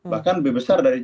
bahkan lebih besar dari